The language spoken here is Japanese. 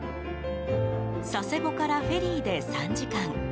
佐世保からフェリーで３時間。